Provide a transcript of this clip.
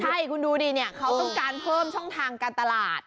ใช่คุณดูดิเนี่ยเขาต้องการเพิ่มช่องทางการตลาด